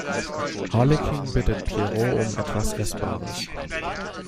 Harlekin bittet Pierrot um etwas Essbares.